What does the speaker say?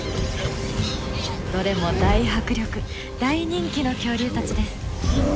どれも大迫力大人気の恐竜たちです。